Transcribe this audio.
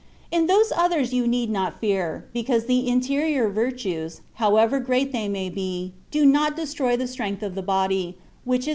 In those others you need not fear, because the interior virtues, however great they may be, do not destroy the strength of the body, which is 70 THE WAY OF PERFECTION.